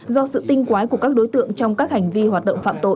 do sự tinh quái của các đối tượng trong các hành vi hoạt động phạm tội